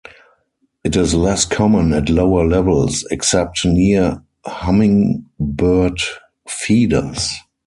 It is less common at lower levels, except near hummingbird feeders.